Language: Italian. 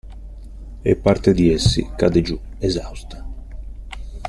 E parte di essi cade giù, esausta.